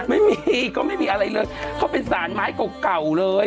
ไม่มีก็ไม่มีอะไรเลยเขาเป็นสารไม้เก่าเก่าเลย